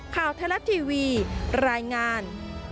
ข่าวทลัททีวีรายงาน